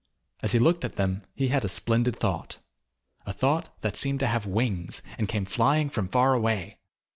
As he looked at them he had a splendid thought. A thought that seemed to have wings, and came flying from far away.